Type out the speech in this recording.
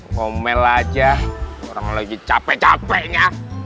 komel aja orang lagi capek capeknya